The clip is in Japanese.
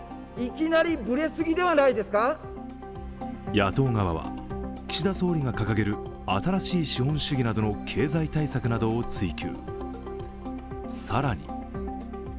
野党側は、岸田総理が掲げる新しい資本主義などの経済対策などを追及。